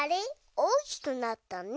おおきくなったね。